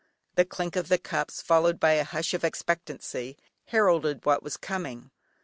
The clink of the cups, followed by a hush of expectancy heralded what was coming.